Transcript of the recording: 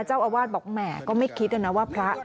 เจ้าอาวาสบอกแหมก็ไม่คิดนะว่าพระ